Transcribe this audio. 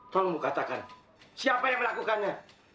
tolongmu katakan siapa yang melakukannya